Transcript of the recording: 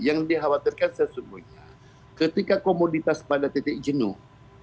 yang dikhawatirkan sesungguhnya ketika komoditas pada titik jenuh